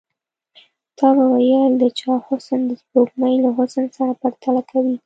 تا به ويل د چا حسن د سپوږمۍ له حسن سره پرتله کوي.